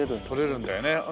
取れるんだよね。